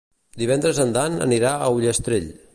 Divendres en Dan anirà a Ullastrell.